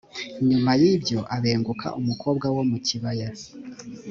nyuma y’ibyo abenguka umukobwa wo mu kibaya